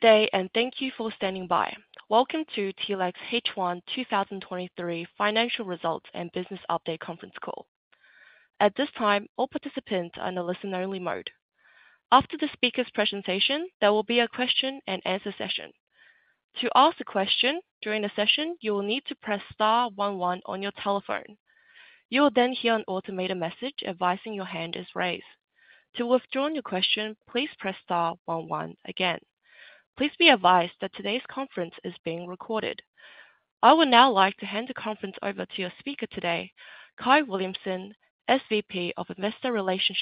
Good day, and thank you for standing by. Welcome to Telix H1 2023 financial results and business update conference call. At this time, all participants are in a listen-only mode. After the speaker's presentation, there will be a question-and-answer session. To ask a question during the session, you will need to press Star one one on your telephone. You will then hear an automated message advising your hand is raised. To withdraw your question, please press Star one one again. Please be advised that today's conference is being recorded. I would now like to hand the conference over to your speaker today, Kyahn Williamson, SVP of Investor Relations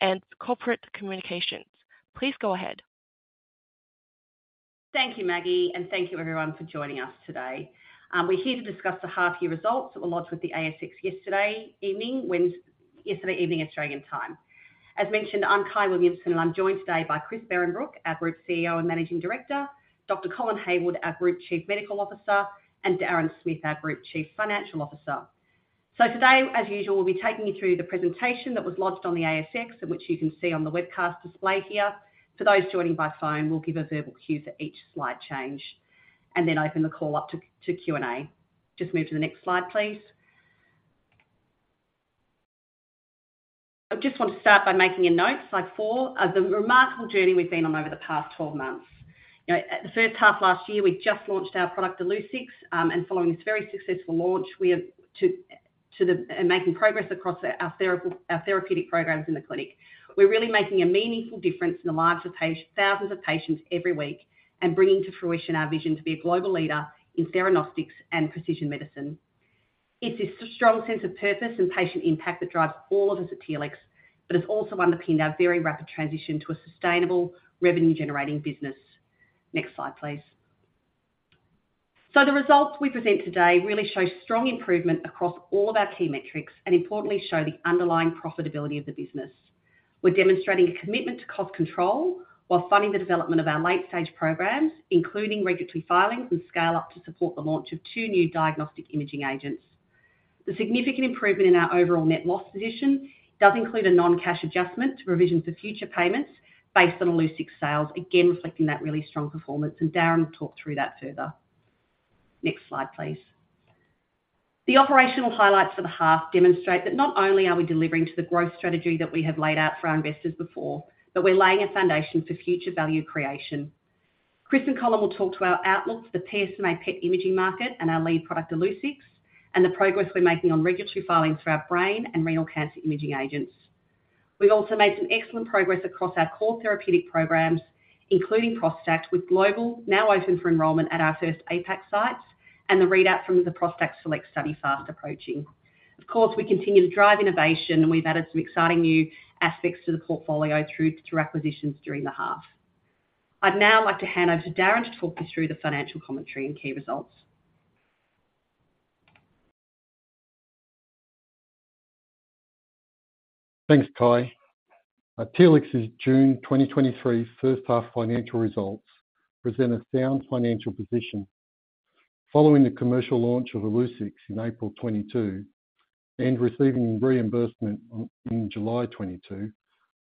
and Corporate Communications. Please go ahead. Thank you, Maggie, and thank you everyone for joining us today. We're here to discuss the half-year results that were lodged with the ASX yesterday evening, yesterday evening, Australian time. As mentioned, I'm Kyahn Williamson, and I'm joined today by Christian Behrenbruch, our Group CEO and Managing Director, Dr. Colin Hayward, our Group Chief Medical Officer, and Darren Smith, our Group Chief Financial Officer. Today, as usual, we'll be taking you through the presentation that was lodged on the ASX, and which you can see on the webcast display here. For those joining by phone, we'll give a verbal cue for each slide change and then open the call up to, to Q&A. Just move to the next slide, please. I just want to start by making a note, Slide 4, of the remarkable journey we've been on over the past 12 months. You know, at the first half last year, we just launched our product, Illuccix. Following this very successful launch, we are making progress across our therapeutic programs in the clinic. We're really making a meaningful difference in the lives of thousands of patients every week and bringing to fruition our vision to be a global leader in theranostics and precision medicine. It's this strong sense of purpose and patient impact that drives all of us at Telix, it's also underpinned our very rapid transition to a sustainable revenue-generating business. Next slide, please. The results we present today really show strong improvement across all of our key metrics and importantly, show the underlying profitability of the business. We're demonstrating a commitment to cost control while funding the development of our late-stage programs, including regulatory filings and scale up to support the launch of two new diagnostic imaging agents. The significant improvement in our overall net loss position does include a non-cash adjustment to provision for future payments based on Illuccix sales, again, reflecting that really strong performance. Darren will talk through that further. Next slide, please. The operational highlights for the half demonstrate that not only are we delivering to the growth strategy that we have laid out for our investors before, but we're laying a foundation for future value creation. Chris and Colin will talk to our outlook for the PSMA PET imaging market and our lead product, Illuccix. The progress we're making on regulatory filings for our brain cancer and renal cancer imaging agents. We've also made some excellent progress across our core therapeutic programs, including ProstACT, with Global now open for enrollment at our first APAC sites and the readout from the ProstACT SELECT study fast approaching. We continue to drive innovation, and we've added some exciting new aspects to the portfolio through acquisitions during the half. I'd now like to hand over to Darren to talk you through the financial commentary and key results. Thanks, Kyahn. Telix's June 2023 first-half financial results present a sound financial position. Following the commercial launch of Illuccix in April 2022 and receiving reimbursement in July 2022,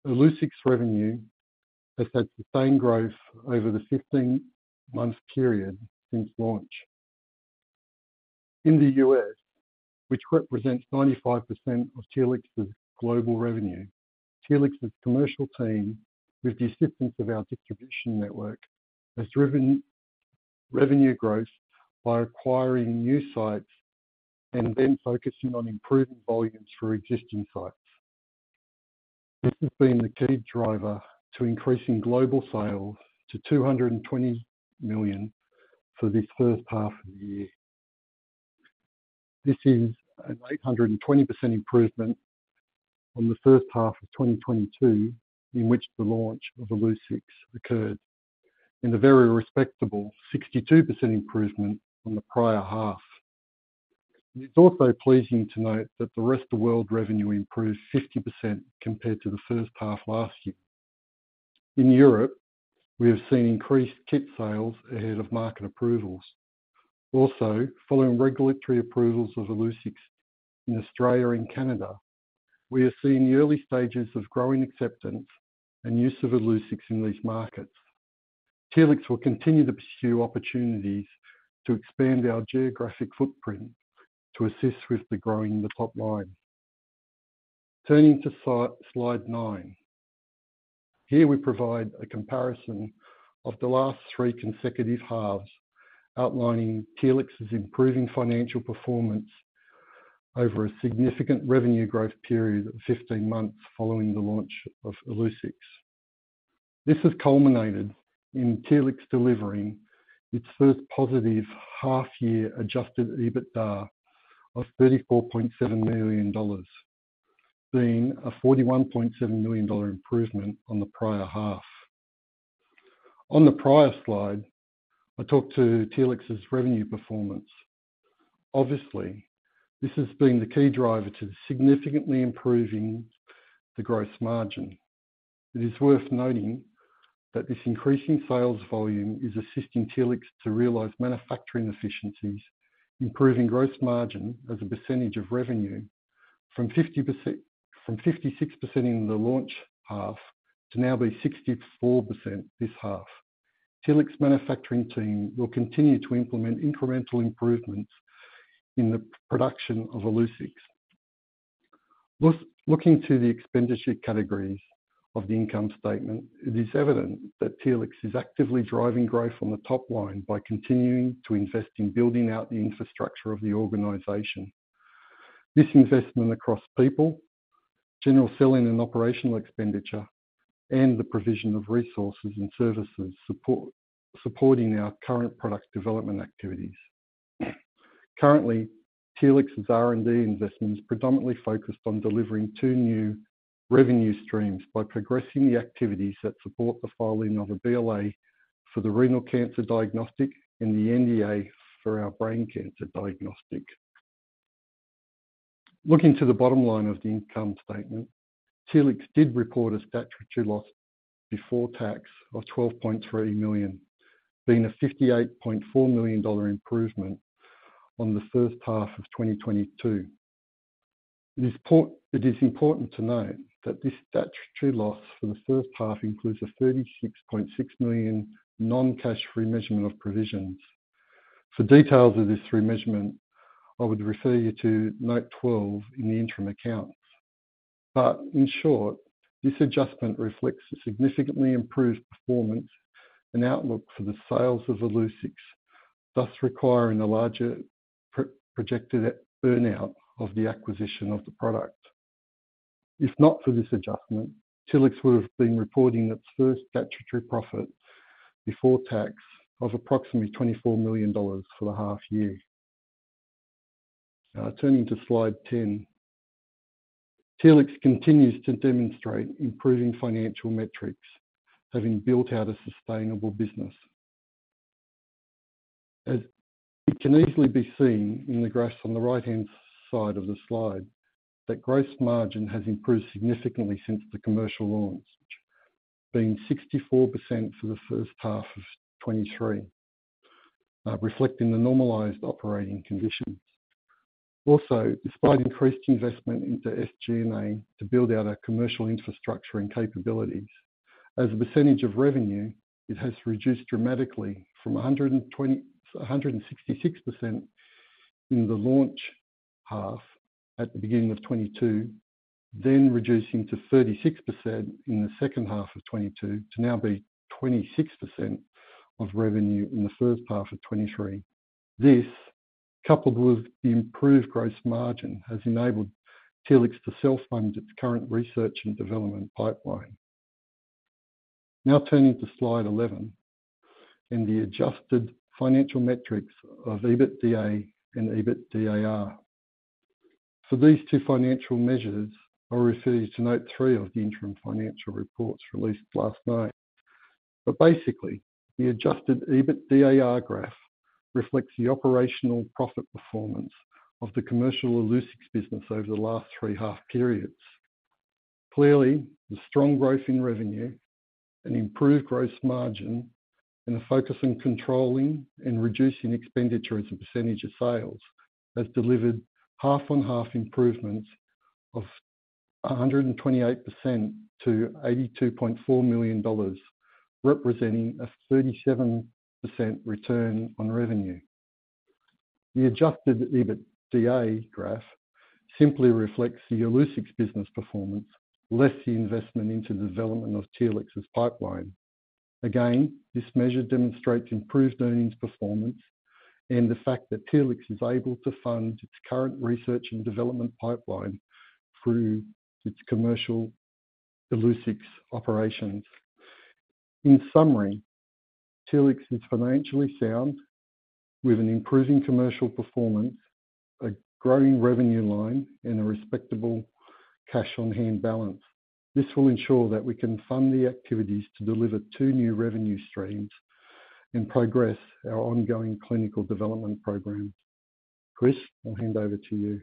Illuccix revenue has had sustained growth over the 15-month period since launch. In the US, which represents 95% of Telix's global revenue, Telix's commercial team, with the assistance of our distribution network, has driven revenue growth by acquiring new sites and focusing on improving volumes through existing sites. This has been the key driver to increasing global sales to $220 million for this first half of the year. This is an 820% improvement from the first half of 2022, in which the launch of Illuccix occurred, and a very respectable 62% improvement from the prior half. It's also pleasing to note that the rest of world revenue improved 50% compared to the first half last year. In Europe, we have seen increased kit sales ahead of market approvals. Following regulatory approvals of Illuccix in Australia and Canada, we are seeing the early stages of growing acceptance and use of Illuccix in these markets. Telix will continue to pursue opportunities to expand our geographic footprint to assist with the growing the top line. Turning to Slide 9. Here we provide a comparison of the last three consecutive halves, outlining Telix's improving financial performance over a significant revenue growth period of 15 months following the launch of Illuccix. This has culminated in Telix delivering its first positive half-year adjusted EBITDA of 34.7 million dollars, being a 41.7 million dollar improvement on the prior half. On the prior slide, I talked to Telix's revenue performance. Obviously, this has been the key driver to significantly improving the gross margin. It is worth noting that this increasing sales volume is assisting Telix to realize manufacturing efficiencies, improving gross margin as a percentage of revenue from 50%, from 66% in the launch half to now be 64% this half. Telix manufacturing team will continue to implement incremental improvements in the production of Illuccix. Look, looking to the expenditure categories of the income statement, it is evident that Telix is actively driving growth on the top line by continuing to invest in building out the infrastructure of the organization. This investment across people, general selling and operational expenditure, and the provision of resources and services supporting our current product development activities. Currently, Telix's R&D investment is predominantly focused on delivering two new revenue streams by progressing the activities that support the filing of a BLA for the renal cancer diagnostic and the NDA for our brain cancer diagnostic. Looking to the bottom line of the income statement, Telix did report a statutory loss before tax of $12.3 million, being a $58.4 million improvement on the first half of 2022. It is important to note that this statutory loss for the first half includes a $36.6 million non-cash remeasurement of provisions. For details of this remeasurement, I would refer you to note 12 in the interim accounts. In short, this adjustment reflects a significantly improved performance and outlook for the sales of Illuccix, thus requiring a larger projected burnout of the acquisition of the product. If not for this adjustment, Telix would have been reporting its first statutory profit before tax of approximately 24 million dollars for the half year. Turning to Slide 10. Telix continues to demonstrate improving financial metrics, having built out a sustainable business. As it can easily be seen in the graphs on the right-hand side of the slide, that gross margin has improved significantly since the commercial launch, being 64% for the first half of 2023, reflecting the normalized operating conditions. Despite increased investment into SG&A to build out our commercial infrastructure and capabilities, as a percentage of revenue, it has reduced dramatically from 120%, 166% in the launch half at the beginning of 2022, then reducing to 36% in the second half of 2022, to now be 26% of revenue in the first half of 2023. This, coupled with the improved gross margin, has enabled Telix to self-fund its current research and development pipeline. Now turning to slide 11, and the adjusted financial metrics of EBITDA and EBITDA. For these two financial measures, I refer you to note 3 of the interim financial reports released last night. Basically, the adjusted EBITDAR graph reflects the operational profit performance of the commercial Illuccix business over the last three half periods. Clearly, the strong growth in revenue and improved gross margin, a focus on controlling and reducing expenditure as a percentage of sales, has delivered half on half improvements of 128% to $82.4 million, representing a 37% return on revenue. The adjusted EBITDA graph simply reflects the Illuccix business performance, less the investment into the development of Telix's pipeline. Again, this measure demonstrates improved earnings performance and the fact that Telix is able to fund its current research and development pipeline through its commercial Illuccix operations. In summary, Telix is financially sound with an improving commercial performance, a growing revenue line, and a respectable cash on hand balance. This will ensure that we can fund the activities to deliver two new revenue streams and progress our ongoing clinical development program. Chris, I'll hand over to you.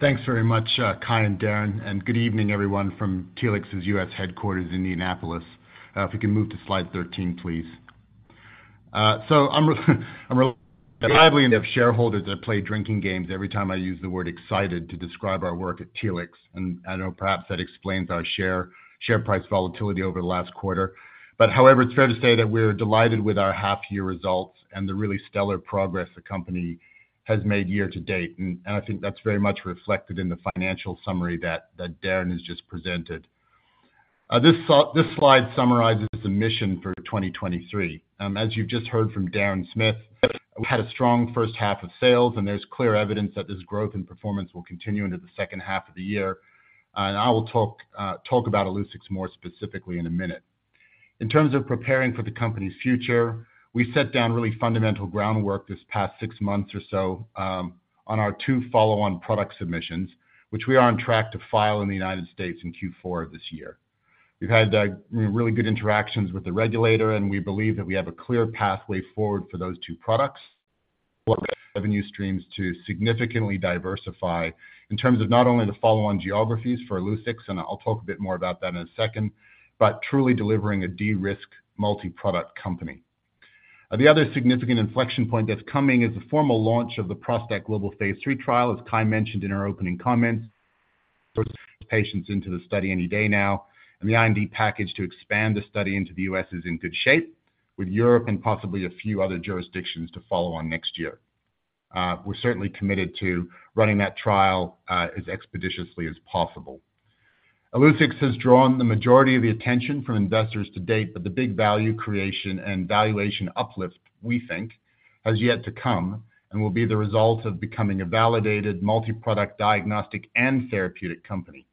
Thanks very much, Kyahn and Darren, good evening everyone from Telix's U.S. headquarters in Indianapolis. If we can move to Slide 13, please. I'm I'm reliably of shareholders that play drinking games every time I use the word excited to describe our work at Telix, I know perhaps that explains our share, share price volatility over the last quarter. However, it's fair to say that we're delighted with our half year results and the really stellar progress the company has made year to date. I think that's very much reflected in the financial summary that Darren has just presented. This slide, this slide summarizes the mission for 2023. As you've just heard from Darren Smith, we had a strong first half of sales, there's clear evidence that this growth and performance will continue into the second half of the year. I will talk about Illuccix more specifically in a minute. In terms of preparing for the company's future, we set down really fundamental groundwork this past six months or so on our two follow-on product submissions, which we are on track to file in the United States in Q4 of this year. We've had really good interactions with the regulator, we believe that we have a clear pathway forward for those two products, revenue streams to significantly diversify in terms of not only the follow-on geographies for Illuccix, I'll talk a bit more about that in a second, but truly delivering a de-risked multi-product company. The other significant inflection point that's coming is the formal launch of the ProstACT Global phase III trial, as Kyahn mentioned in her opening comments, patients into the study any day now, and the IND package to expand the study into the U.S. is in good shape, with Europe and possibly a few other jurisdictions to follow on next year. We're certainly committed to running that trial as expeditiously as possible. Illuccix has drawn the majority of the attention from investors to date, but the big value creation and valuation uplift, we think, has yet to come and will be the result of becoming a validated multi-product diagnostic and therapeutic company.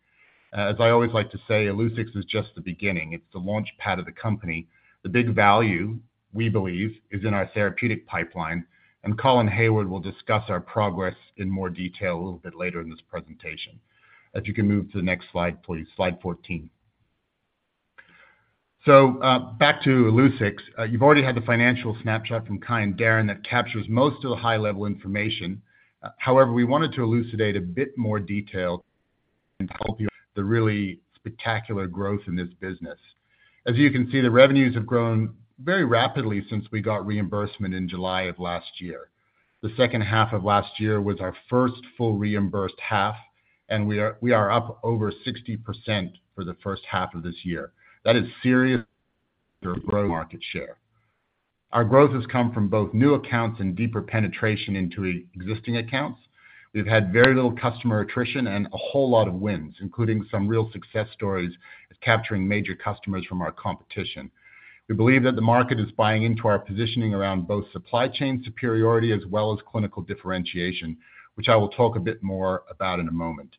As I always like to say, Illuccix is just the beginning. It's the launch pad of the company. The big value, we believe, is in our therapeutic pipeline, and Colin Hayward will discuss our progress in more detail a little bit later in this presentation. If you can move to the next slide, please, Slide 14. Back to Illuccix. You've already had the financial snapshot from Kyahn and Darren that captures most of the high-level information. However, we wanted to elucidate a bit more detail and help you with the really spectacular growth in this business. As you can see, the revenues have grown very rapidly since we got reimbursement in July of last year. The second half of last year was our first full reimbursed half, and we are, we are up over 60% for the first half of this year. That is serious growth market share. Our growth has come from both new accounts and deeper penetration into existing accounts. We've had very little customer attrition and a whole lot of wins, including some real success stories of capturing major customers from our competition. We believe that the market is buying into our positioning around both supply chain superiority as well as clinical differentiation, which I will talk a bit more about in a moment.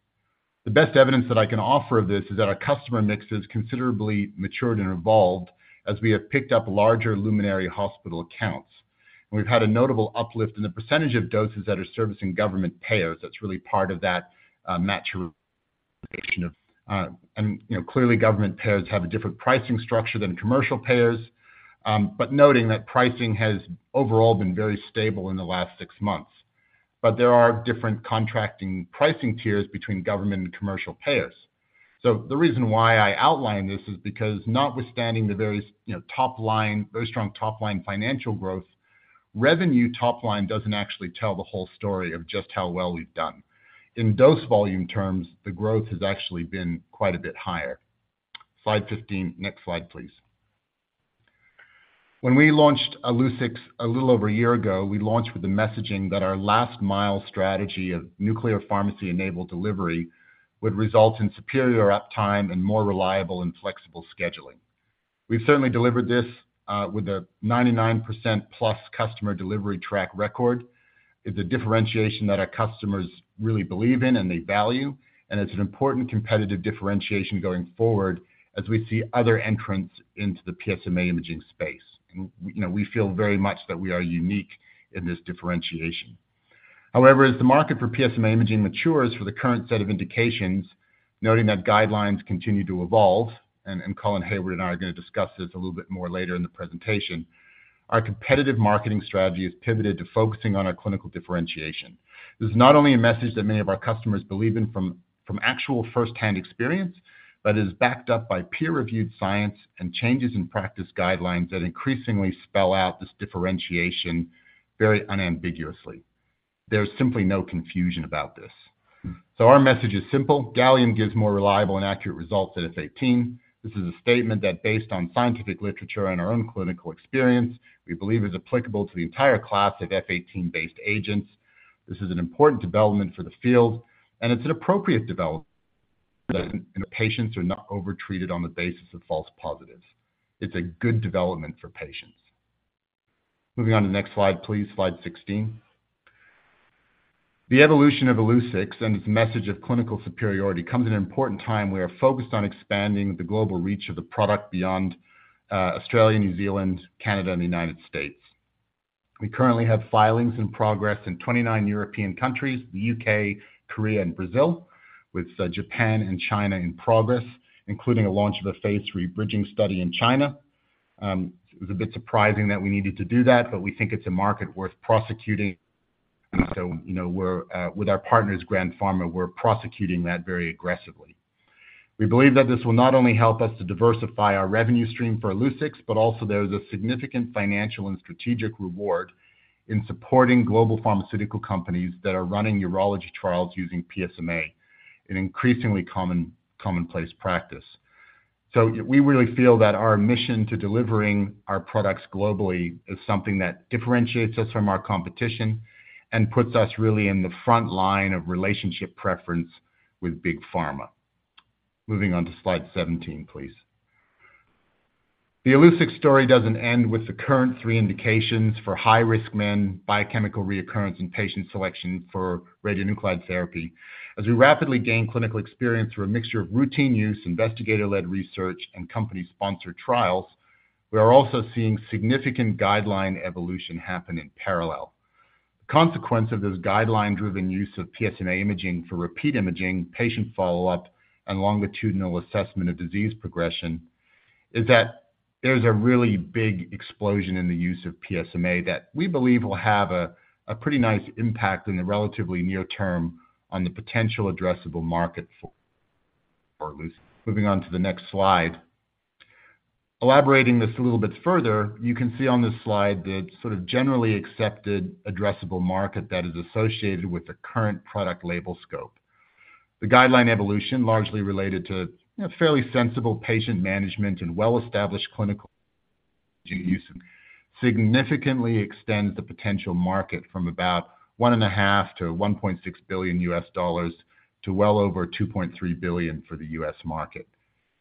The best evidence that I can offer of this is that our customer mix has considerably matured and evolved as we have picked up larger luminary hospital accounts. We've had a notable uplift in the percentage of doses that are servicing government payers. That's really part of that maturation of, and, you know, clearly, government payers have a different pricing structure than commercial payers, but noting that pricing has overall been very stable in the last six months. There are different contracting pricing tiers between government and commercial payers. The reason why I outline this is because notwithstanding the very, you know, top line, very strong top-line financial growth, revenue top line doesn't actually tell the whole story of just how well we've done. In dose volume terms, the growth has actually been quite a bit higher. Slide 15. Next slide, please. When we launched Illuccix a little over a year ago, we launched with the messaging that our last mile strategy of nuclear pharmacy-enabled delivery would result in superior uptime and more reliable and flexible scheduling. We've certainly delivered this, with a 99%+ customer delivery track record. It's a differentiation that our customers really believe in and they value, and it's an important competitive differentiation going forward as we see other entrants into the PSMA imaging space. You know, we feel very much that we are unique in this differentiation. However, as the market for PSMA imaging matures for the current set of indications, noting that guidelines continue to evolve, and Colin Hayward and I are going to discuss this a little bit more later in the presentation, our competitive marketing strategy is pivoted to focusing on our clinical differentiation. This is not only a message that many of our customers believe in from actual firsthand experience, but is backed up by peer-reviewed science and changes in practice guidelines that increasingly spell out this differentiation very unambiguously. There's simply no confusion about this. Our message is simple: Gallium gives more reliable and accurate results than F18. This is a statement that, based on scientific literature and our own clinical experience, we believe is applicable to the entire class of F18-based agents. This is an important development for the field, it's an appropriate development, and the patients are not overtreated on the basis of false positives. It's a good development for patients. Moving on to the next slide, please, Slide 16. The evolution of Illuccix and its message of clinical superiority comes at an important time. We are focused on expanding the global reach of the product beyond Australia, New Zealand, Canada, and the United States. We currently have filings in progress in 29 European countries, the U.K., Korea, and Brazil, with Japan and China in progress, including a launch of a phase III bridging study in China. It was a bit surprising that we needed to do that, we think it's a market worth prosecuting. You know, we're with our partners, Grand Pharma, we're prosecuting that very aggressively. We believe that this will not only help us to diversify our revenue stream for Illuccix, but also there is a significant financial and strategic reward in supporting global pharmaceutical companies that are running urology trials using PSMA, an increasingly common, commonplace practice. We really feel that our mission to delivering our products globally is something that differentiates us from our competition and puts us really in the front line of relationship preference with big pharma. Moving on to Slide 17, please. The Illuccix story doesn't end with the current three indications for high-risk men, biochemical recurrence and patient selection for radionuclide therapy. As we rapidly gain clinical experience through a mixture of routine use, investigator-led research, and company-sponsored trials, we are also seeing significant guideline evolution happen in parallel. The consequence of this guideline-driven use of PSMA imaging for repeat imaging, patient follow-up, and longitudinal assessment of disease progression is that there's a really big explosion in the use of PSMA that we believe will have a pretty nice impact in the relatively near-term on the potential addressable market. Moving on to the next slide. Elaborating this a little bit further, you can see on this slide the sort of generally accepted addressable market that is associated with the current product label scope. The guideline evolution, largely related to, you know, fairly sensible patient management and well-established clinical use, significantly extends the potential market from about $1.5 billion-$1.6 billion to well over $2.3 billion for the U.S. market,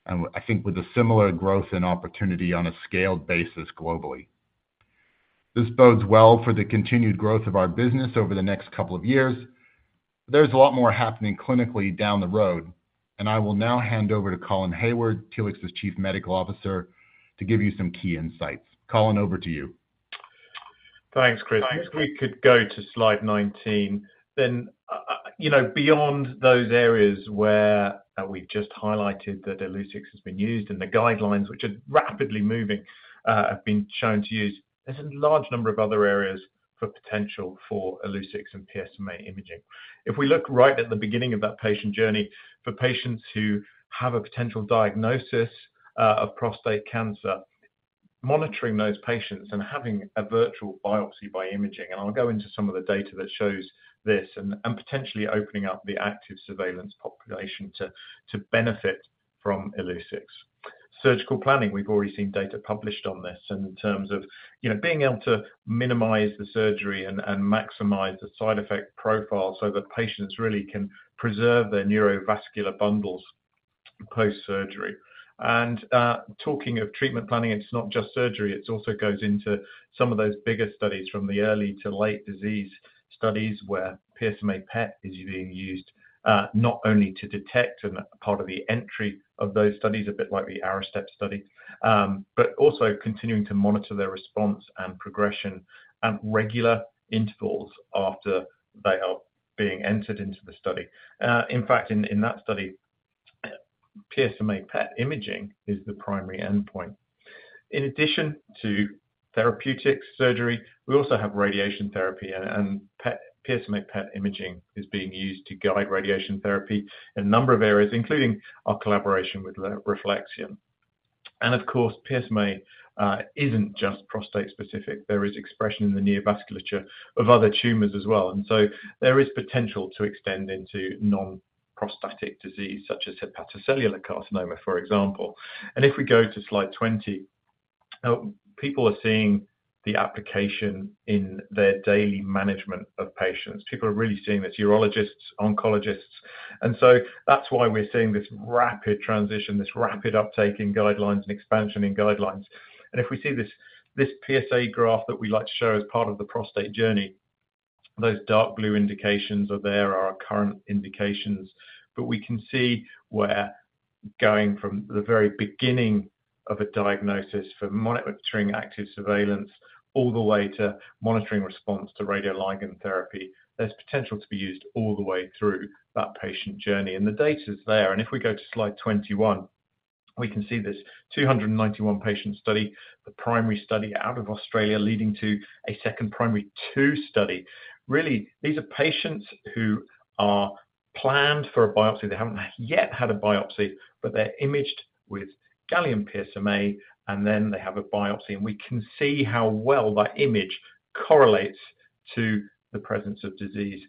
I think with a similar growth and opportunity on a scaled basis globally. This bodes well for the continued growth of our business over the next couple of years. There's a lot more happening clinically down the road. I will now hand over to Colin Hayward, Telix's Chief Medical Officer, to give you some key insights. Colin, over to you. Thanks, Chris. If we could go to Slide 19, then, you know, beyond those areas where we've just highlighted that Illuccix has been used, and the guidelines, which are rapidly moving, have been shown to use, there's a large number of other areas for potential for Illuccix and PSMA imaging. If we look right at the beginning of that patient journey, for patients who have a potential diagnosis of prostate cancer, monitoring those patients and having a virtual biopsy by imaging, and I'll go into some of the data that shows this, and potentially opening up the active surveillance population to benefit from Illuccix. Surgical planning, we've already seen data published on this in terms of, you know, being able to minimize the surgery and maximize the side effect profile so that patients really can preserve their neurovascular bundles post-surgery. Talking of treatment planning, it's not just surgery, it also goes into some of those bigger studies from the early to late disease studies, where PSMA PET is being used not only to detect and part of the entry of those studies, a bit like the ARISTOTLE study, but also continuing to monitor their response and progression at regular intervals after they are being entered into the study. In fact, in that study, PSMA PET imaging is the primary endpoint. In addition to therapeutic surgery, we also have radiation therapy, and PET, PSMA PET imaging is being used to guide radiation therapy in a number of areas, including our collaboration with RefleXion. Of course, PSMA isn't just prostate specific. There is expression in the neovasculature of other tumors as well, there is potential to extend into non-prostatic disease, such as hepatocellular carcinoma, for example. If we go to Slide 20, people are seeing the application in their daily management of patients. People are really seeing this, urologists, oncologists, that's why we're seeing this rapid transition, this rapid uptake in guidelines and expansion in guidelines. If we see this, this PSA graph that we like to show as part of the prostate journey, those dark blue indications are there, are our current indications. We can see where going from the very beginning of a diagnosis for monitoring active surveillance, all the way to monitoring response to radioligand therapy, there's potential to be used all the way through that patient journey, and the data's there. If we go to Slide 21, we can see this 291 patient study, the PRIMARY study out of Australia, leading to a second PRIMARY2 study. Really, these are patients who are planned for a biopsy. They haven't yet had a biopsy, but they're imaged with gallium PSMA, and then they have a biopsy, and we can see how well that image correlates to the presence of disease.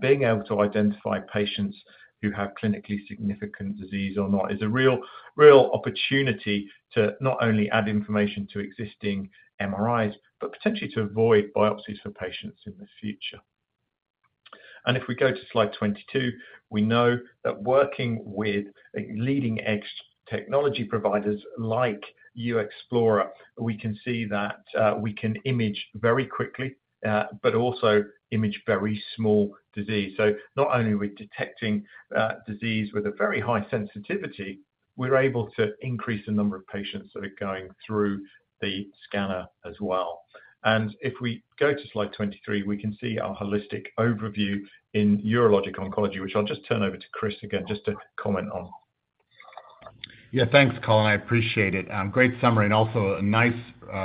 Being able to identify patients who have clinically significant disease or not, is a real, real opportunity to not only add information to existing MRIs, but potentially to avoid biopsies for patients in the future. If we go to Slide 22, we know that working with leading-edge technology providers like uEXPLORER, we can see that we can image very quickly, but also image very small disease. Not only are we detecting disease with a very high sensitivity, we're able to increase the number of patients that are going through the scanner as well. If we go to Slide 23, we can see our holistic overview in urologic oncology, which I'll just turn over to Chris again, just to comment on. Yeah, thanks, Colin. I appreciate it. great summary and also a nice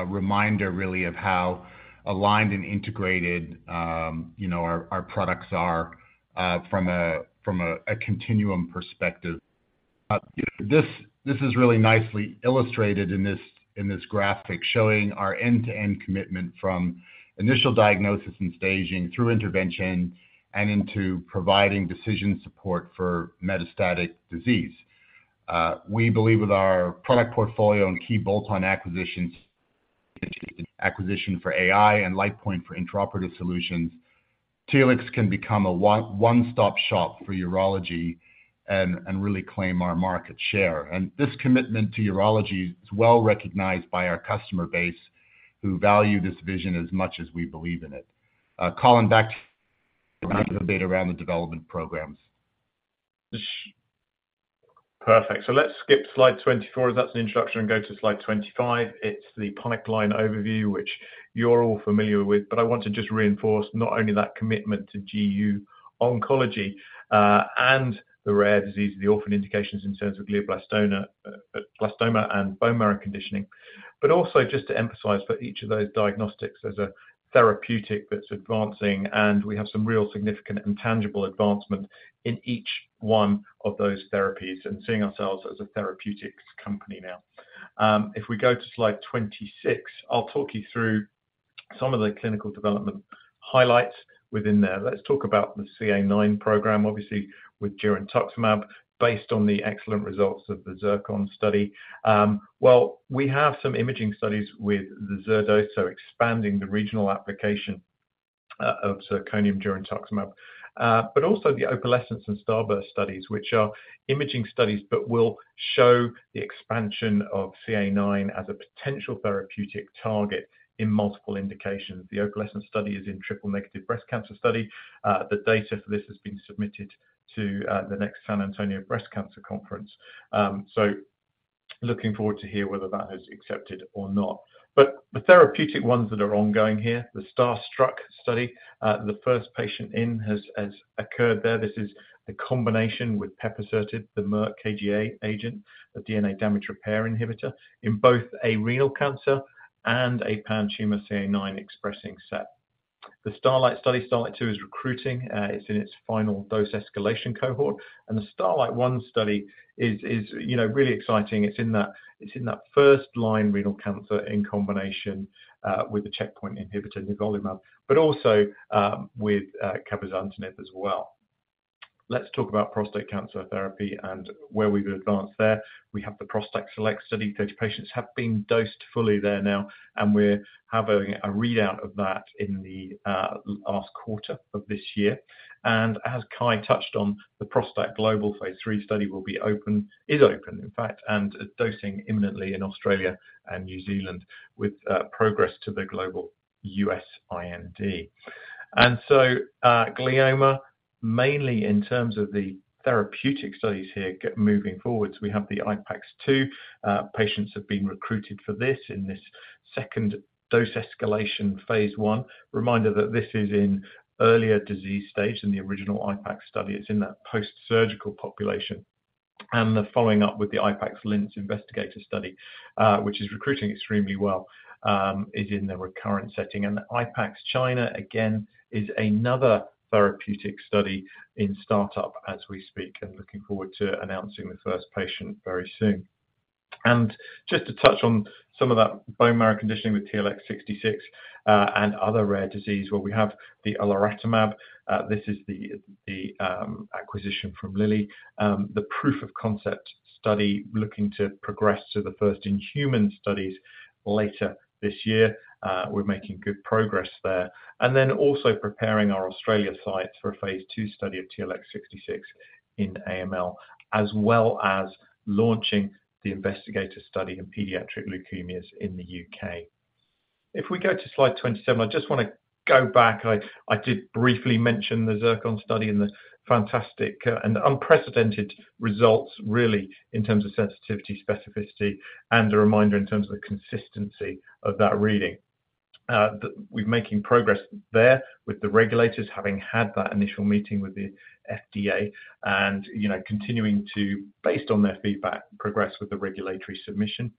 reminder, really, of how aligned and integrated, you know, our, our products are from a, from a, a continuum perspective. This, this is really nicely illustrated in this, in this graphic, showing our end-to-end commitment from initial diagnosis and staging through intervention and into providing decision support for metastatic disease. We believe with our product portfolio and key bolt-on acquisitions, acquisition for AI and Lightpoint for intraoperative solutions, Telix can become a one, one-stop shop for urology and, and really claim our market share. This commitment to urology is well recognized by our customer base, who value this vision as much as we believe in it. Colin, back to the data around the development programs. Perfect. Let's skip Slide 24, that's an introduction, and go to Slide 25. It's the product line overview, which you're all familiar with, but I want to just reinforce not only that commitment to GU oncology, and the rare disease, the orphan indications in terms of glioblastoma, glioblastoma and bone marrow conditioning, but also just to emphasize for each of those diagnostics, there's a therapeutic that's advancing, and we have some real significant and tangible advancement in each one of those therapies and seeing ourselves as a therapeutics company now. If we go to Slide 26, I'll talk you through some of the clinical development highlights within there. Let's talk about the CA9 program, obviously, with girentuximab, based on the excellent results of the ZIRCON study. Well, we have some imaging studies with the ZIRCON, so expanding the regional application, of zirconium girentuximab. Also the OPALESCENCE and STARBURST studies, which are imaging studies, but will show the expansion of CA9 as a potential therapeutic target in multiple indications. The OPALESCENCE study is in triple-negative breast cancer study. The data for this has been submitted to the next San Antonio Breast Cancer conference. Looking forward to hear whether that is accepted or not. The therapeutic ones that are ongoing here, the STARSTRUCK study, the first patient in has occurred there. This is a combination with pepasertib, the Merck KGaA agent, a DNA damage repair inhibitor, in both a renal cancer and a pan-tumor CA9 expressing set. The STARLITE study, STARLITE-2, is recruiting, it's in its final dose escalation cohort. The STARLITE-1 study is, you know, really exciting. It's in that, it's in that first-line renal cancer in combination with the checkpoint inhibitor nivolumab, but also with cabozantinib as well. Let's talk about prostate cancer therapy and where we've advanced there. We have the ProstACT SELECT study. 30 patients have been dosed fully there now, we're having a readout of that in the last quarter of this year. As Kyahn touched on, the ProstACT phase III study will be open, is open, in fact, and is dosing imminently in Australia and New Zealand with progress to the global U.S. IND. Glioma, mainly in terms of the therapeutic studies here, get moving forwards. We have the IPAX-2. Patients have been recruited for this in this second dose escalation phase I. Reminder that this is in earlier disease stage in the original IPAX study. It's in that post-surgical population. They're following up with the IPAX-LINS investigator study, which is recruiting extremely well, is in the recurrent setting. The IPAX China, again, is another therapeutic study in startup as we speak, and looking forward to announcing the first patient very soon. Just to touch on some of that bone marrow conditioning with TLX66, and other rare disease, where we have the uliratuximab. This is the acquisition from Lilly. The proof of concept study, looking to progress to the first-in-human studies later this year. We're making good progress there. Also preparing our Australia site for a phase II study of TLX66 in AML, as well as launching the investigator study in pediatric leukemias in the UK. If we go to Slide 27, I just wanna go back. I, I did briefly mention the ZIRCON study and the fantastic, and unprecedented results, really, in terms of sensitivity, specificity, and a reminder in terms of the consistency of that reading. We're making progress there with the regulators, having had that initial meeting with the FDA and, you know, continuing to, based on their feedback, progress with the regulatory submission.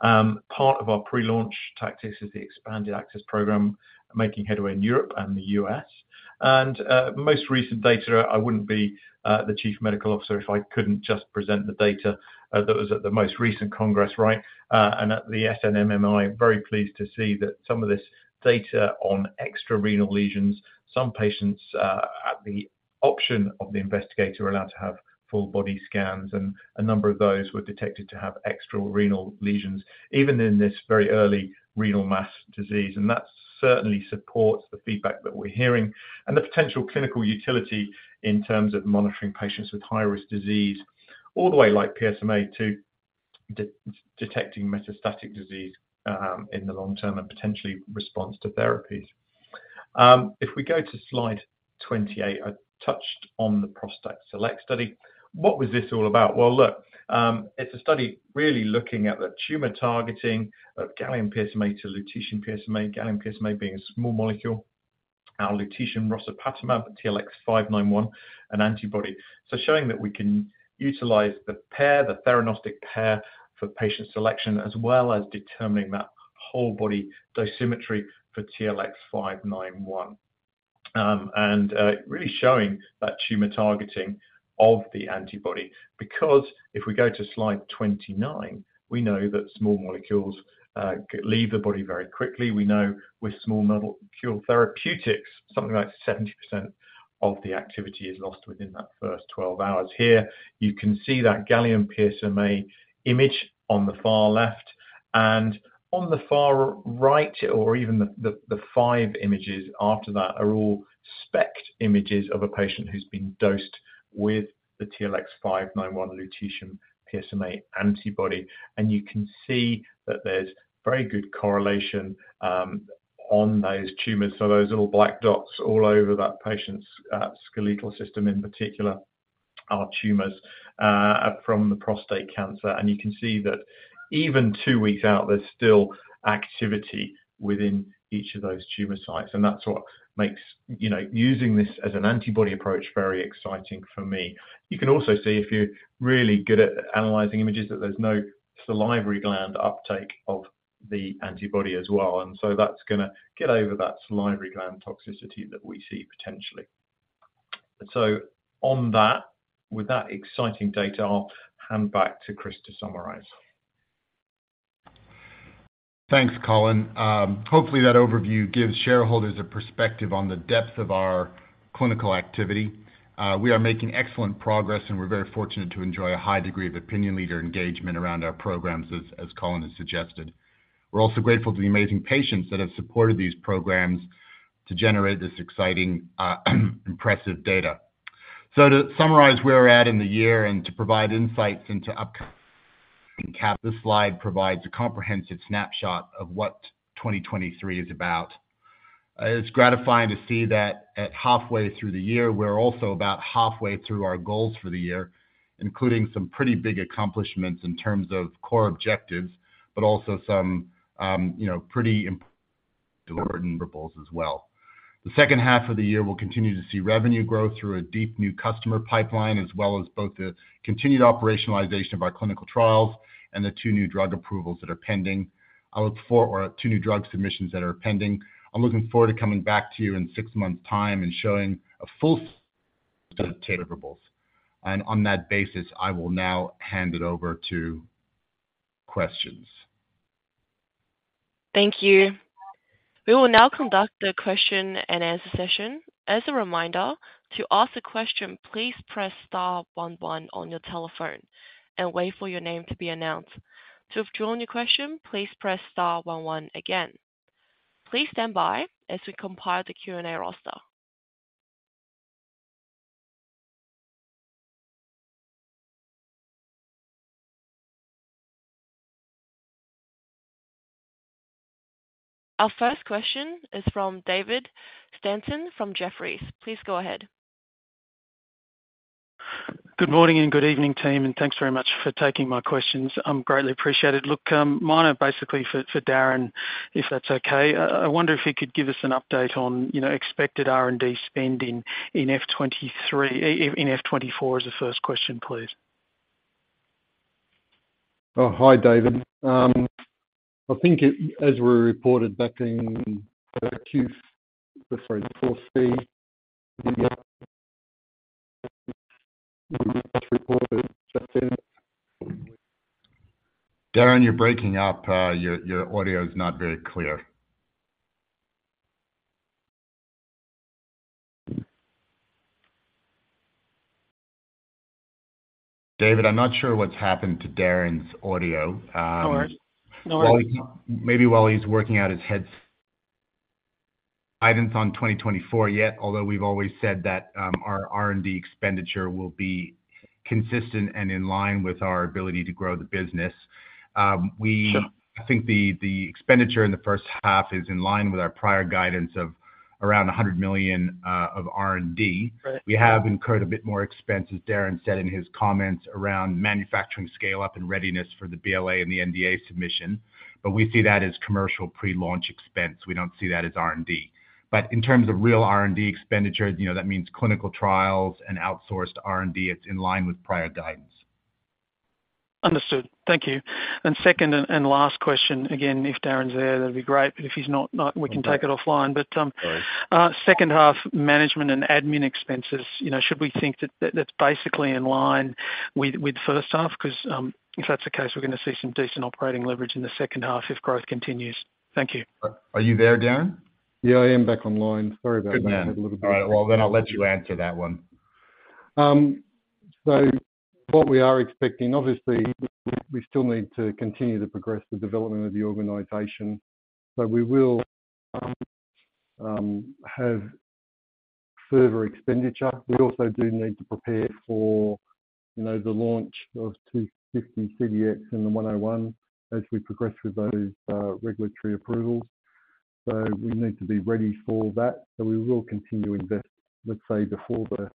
Part of our pre-launch tactics is the expanded access program, making headway in Europe and the U.S. Most recent data, I wouldn't be the Chief Medical Officer if I couldn't just present the data, that was at the most recent Congress, right? At the SNMMI, very pleased to see that some of this data on extrarenal lesions, some patients, at the option of the investigator, are allowed to have full body scans, and a number of those were detected to have extrarenal lesions, even in this very early renal mass disease. That certainly supports the feedback that we're hearing and the potential clinical utility in terms of monitoring patients with high-risk disease, all the way, like PSMA, to detecting metastatic disease in the long term and potentially response to therapies. If we go to Slide 28, I touched on the ProstACT SELECT study. What was this all about? Well, look, it's a study really looking at the tumor targeting of Gallium PSMA to Lutetium PSMA, Gallium PSMA being a small molecule, our Lutetium rosopatamab, TLX591, an antibody. Showing that we can utilize the pair, the theranostic pair for patient selection, as well as determining that whole body dosimetry for TLX591. Really showing that tumor targeting of the antibody, because if we go to Slide 29, we know that small molecules leave the body very quickly. We know with small molecule therapeutics, something like 70% of the activity is lost within that first 12 hours. Here, you can see that Gallium PSMA image on the far left and on the far right, or even the, the, the 5 images after that, are all SPECT images of a patient who's been dosed with the TLX591 Lutetium PSMA antibody. You can see that there's very good correlation on those tumors. Those little black dots all over that patient's skeletal system in particular, are tumors from the prostate cancer. You can see that even two weeks out, there's still activity within each of those tumor sites, and that's what makes, you know, using this as an antibody approach very exciting for me. You can also see, if you're really good at analyzing images, that there's no salivary gland uptake of the antibody as well. That's gonna get over that salivary gland toxicity that we see potentially. On that, with that exciting data, I'll hand back to Chris to summarize. Thanks, Colin. Hopefully, that overview gives shareholders a perspective on the depth of our clinical activity. We are making excellent progress, and we're very fortunate to enjoy a high degree of opinion leader engagement around our programs as, as Colin has suggested. We're also grateful to the amazing patients that have supported these programs to generate this exciting, impressive data. To summarize where we're at in the year and to provide insights into upcoming, this slide provides a comprehensive snapshot of what 2023 is about. It's gratifying to see that at halfway through the year, we're also about halfway through our goals for the year, including some pretty big accomplishments in terms of core objectives, but also some, you know, pretty important deliverables as well. The second half of the year, we'll continue to see revenue growth through a deep new customer pipeline, as well as both the continued operationalization of our clinical trials and the two new drug approvals that are pending. I look for- or two new drug submissions that are pending. I'm looking forward to coming back to you in six months' time and showing a full set of deliverables. On that basis, I will now hand it over to questions. Thank you. We will now conduct the question-and-answer session. As a reminder, to ask a question, please press Star one one on your telephone and wait for your name to be announced. To withdraw your question, please press Star one one again. Please stand by as we compile the Q&A roster. Our first question is from David Stanton from Jefferies. Please go ahead. Good morning and good evening, team, and thanks very much for taking my questions. Greatly appreciated. Look, mine are basically for Darren, if that's okay. I wonder if he could give us an update on, you know, expected R&D spending in F 2023, in F 2024 as a first question, please. Oh, hi, David. I think it, as we reported back in, Q, sorry, Appendix 4C, we reported that. Darren, you're breaking up. your, your audio is not very clear. David, I'm not sure what's happened to Darren's audio. No worries. No worries. Maybe while he's working out his head... Items on 2024 yet, although we've always said that, our R&D expenditure will be consistent and in line with our ability to grow the business. Sure. I think the, the expenditure in the first half is in line with our prior guidance of around 100 million of R&D. Great. We have incurred a bit more expense, as Darren said in his comments, around manufacturing scale-up and readiness for the BLA and the NDA submission, but we see that as commercial pre-launch expense. We don't see that as R&D. In terms of real R&D expenditure, you know, that means clinical trials and outsourced R&D, it's in line with prior guidance. Understood. Thank you. Second and last question, again, if Darren's there, that'd be great, but if he's not, we can take it offline. Sorry. second half, management and admin expenses, you know, should we think that, that that's basically in line with, with first half? If that's the case, we're gonna see some decent operating leverage in the second half if growth continues. Thank you. Are you there, Darren? I am back online. Sorry about that. Good man. Had a little bit- All right, well, then I'll let you answer that one. What we are expecting, obviously, we still need to continue to progress the development of the organization, so we will have further expenditure. We also do need to prepare for, you know, the launch of 250-CDx and 101 as we progress with those regulatory approvals. We need to be ready for that, so we will continue to invest, let's say, before the,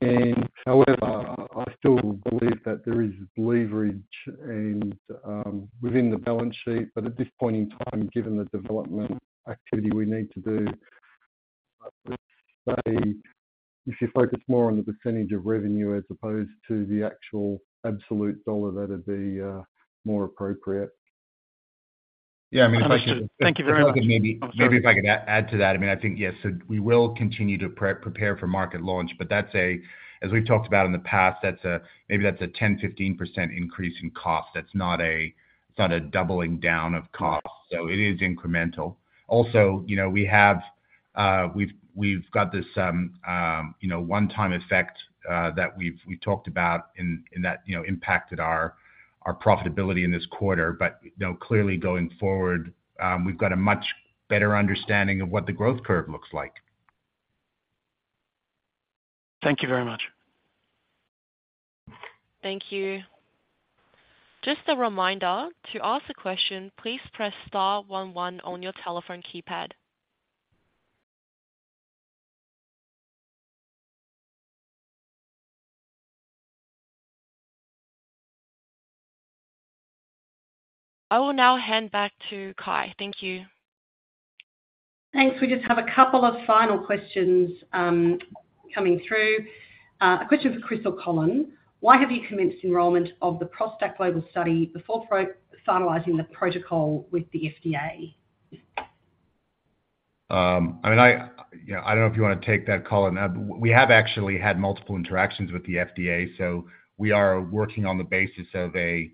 before the curve. However, I still believe that there is leverage within the balance sheet, but at this point in time, given the development activity we need to do, say, if you focus more on the percentage of revenue as opposed to the actual absolute dollar, that would be more appropriate. Yeah, I mean- Understood. Thank you very much. Maybe, maybe if I could add to that, I mean, I think, yes, so we will continue to pre-prepare for market launch, but that's a, as we've talked about in the past, that's a, maybe that's a 10%-15% increase in cost. That's not a, not a doubling down of costs, so it is incremental. Also, you know, we have, we've, we've got this, you know, one-time effect, that we've, we talked about and, and that, you know, impacted our, our profitability in this quarter. You know, clearly going forward, we've got a much better understanding of what the growth curve looks like. Thank you very much. Thank you. Just a reminder, to ask a question, please press Star one one on your telephone keypad. I will now hand back to Kyahn. Thank you. Thanks. We just have a couple of final questions coming through. A question for Chris or Colin: Why have you commenced enrollment of the ProstACT global study before finalizing the protocol with the FDA? I mean, I, you know, I don't know if you wanna take that, Colin. We have actually had multiple interactions with the FDA, we are working on the basis of a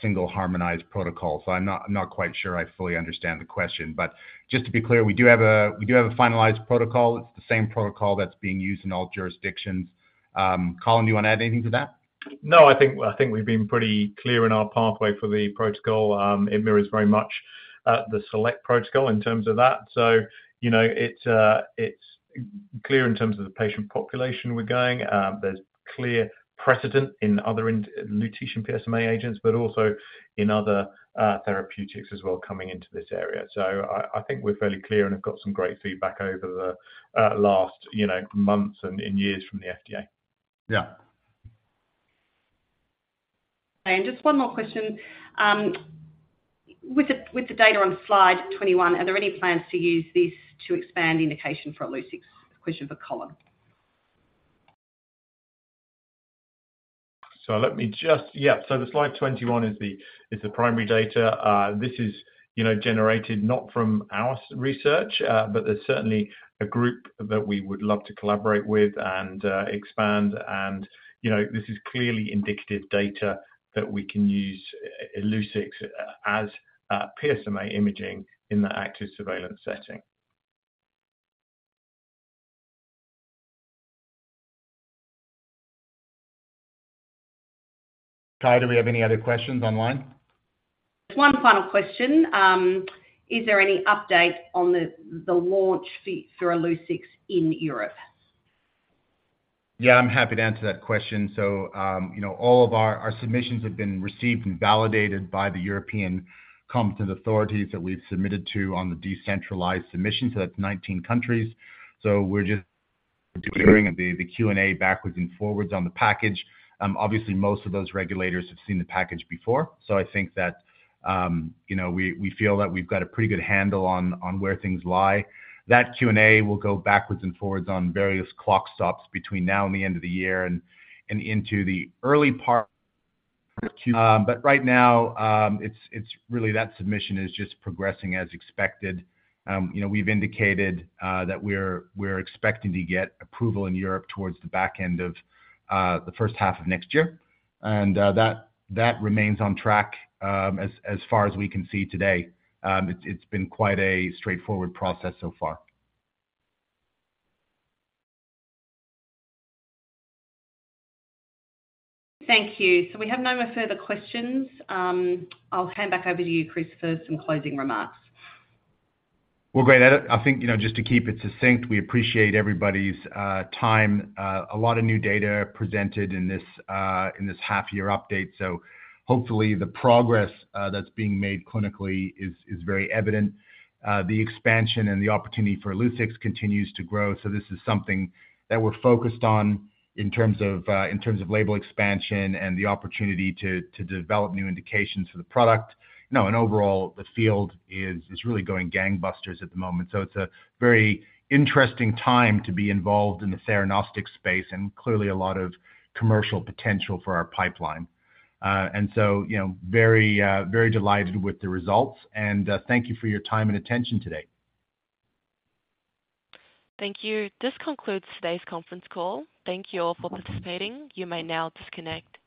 single harmonized protocol. I'm not quite sure I fully understand the question, but just to be clear, we do have a finalized protocol. It's the same protocol that's being used in all jurisdictions. Colin, do you want to add anything to that? No, I think, I think we've been pretty clear in our pathway for the protocol. It mirrors very much, the ProstACT SELECT protocol in terms of that. You know, it's, it's clear in terms of the patient population we're going. There's clear precedent in other Lutetium PSMA agents, but also in other, therapeutics as well, coming into this area. I, I think we're fairly clear and have got some great feedback over the, last, you know, months and, and years from the FDA. Yeah. Just one more question. With the, with the data on Slide 21, are there any plans to use this to expand indication for Illuccix? Question for Colin. Let Se just... Yeah, the Slide 21 is the primary data. This is, you know, generated not from our research, but there's certainly a group that we would love to collaborate with and expand. You know, this is clearly indicative data that we can use Illuccix as PSMA imaging in the active surveillance setting. Kyahn, do we have any other questions online? One final question. Is there any update on the launch date for Illuccix in Europe? Yeah, I'm happy to answer that question. You know, all of our, our submissions have been received and validated by the European competent authorities that we've submitted to on the decentralized submissions. That's 19 countries. We're just doing the Q&A backwards and forwards on the package. Obviously, most of those regulators have seen the package before, so I think that, you know, we, we feel that we've got a pretty good handle on, on where things lie. That Q&A will go backwards and forwards on various clock stops between now and the end of the year and, and into the early part, but right now, it's, it's really, that submission is just progressing as expected. you know, we've indicated that we're, we're expecting to get approval in Europe towards the back end of the first half of next year, and that, that remains on track as, as far as we can see today. It's, it's been quite a straightforward process so far. Thank you. We have no more further questions. I'll hand back over to you, Chris, for some closing remarks. Well, great. I, I think, you know, just to keep it succinct, we appreciate everybody's time. A lot of new data presented in this in this half-year update. Hopefully, the progress that's being made clinically is very evident. The expansion and the opportunity for Illuccix continues to grow, so this is something that we're focused on in terms of in terms of label expansion and the opportunity to develop new indications for the product. You know, and overall, the field is really going gangbusters at the moment. It's a very interesting time to be involved in the theranostics space, and clearly, a lot of commercial potential for our pipeline. You know, very delighted with the results, and thank you for your time and attention today. Thank you. This concludes today's conference call. Thank you all for participating. You may now disconnect.